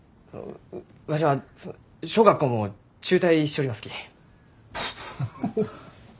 わしは小学校も中退しちょりますき。